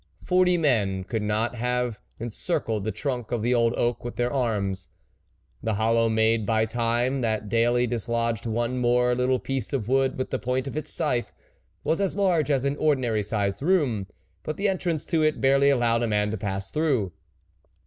Forty men could not have encircled the trunk of the old oak with their arms. The hollow made by time, that daily dislodged one more little piece of wood with the point of its scythe, was as large as an ordinarily sized room ; but the en trance to it barely allowed a man to pass through.